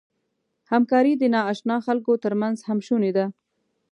همکاري د ناآشنا خلکو تر منځ هم شونې ده.